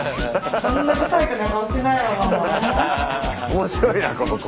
面白いなこの子。